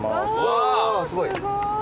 わすごい。